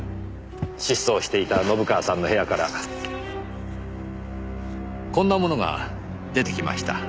失踪していた信川さんの部屋からこんなものが出てきました。